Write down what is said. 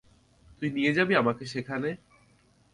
তুই নিয়ে যাবি আমাকে সেখানে?